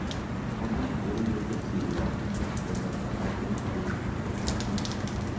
আদিল পড়ে রইল সিরিয়ায়, বোমার আঘাতে ক্ষতবিক্ষত হয়ে।